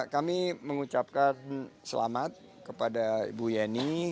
kami mengucapkan selamat kepada ibu yeni